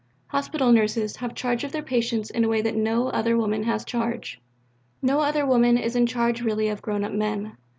"Hospital nurses have charge of their patients in a way that no other woman has charge. No other woman is in charge really of grown up men.